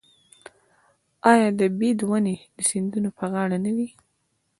آیا د بید ونې د سیندونو په غاړه نه وي؟